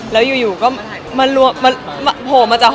อเรนนี่สังหรับพี่อาจารย์